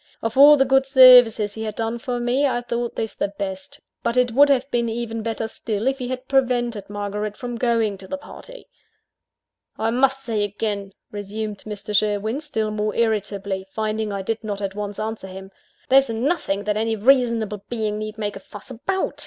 Of all the good services he had done for me, I thought this the best but it would have been even better still, if he had prevented Margaret from going to the party. "I must say again," resumed Mr. Sherwin, still more irritably, finding I did not at once answer him, "there's nothing that any reasonable being need make a fuss about.